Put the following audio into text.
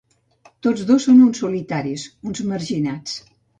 Tots dos són uns solitaris, uns marginats.